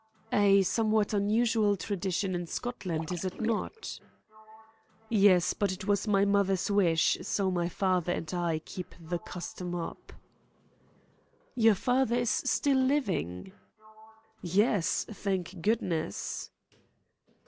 "A somewhat unusual tradition in Scotland, is it not?" "Yes, but it was my mother's wish, so my father and I keep the custom up." "Your father is still living?" "Yes, thank goodness!"